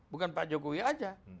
bukan pak jokowi saja